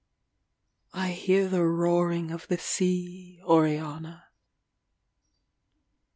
I hear the roaring of the sea, Oriana.